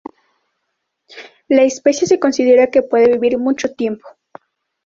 La especie se considera que puede vivir mucho tiempo.